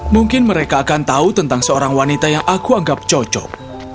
mungkin mereka akan tahu tentang seorang wanita yang aku anggap cocok